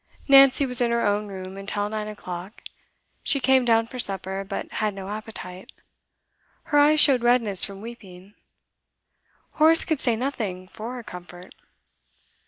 Nancy was in her own room until nine o'clock. She came down for supper, but had no appetite; her eyes showed redness from weeping; Horace could say nothing for her comfort.